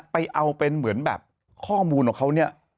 ไปเอาเป็นเหมือนแบบข้อมูลของเขาเนี่ย